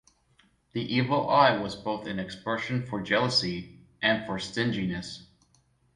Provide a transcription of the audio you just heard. The evil eye was both an expression for jealousy and for stinginess.